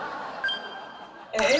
え！